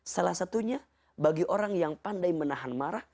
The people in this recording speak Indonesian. salah satunya bagi orang yang pandai menahan marah